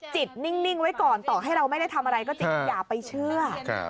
นิ่งไว้ก่อนต่อให้เราไม่ได้ทำอะไรก็จิตอย่าไปเชื่อ